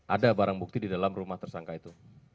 ada barang bukti di dalam rumah tersangka itu